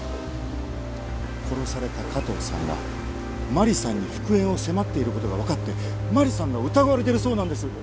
殺された加藤さんが真里さんに復縁を迫っている事がわかって真里さんが疑われてるそうなんです。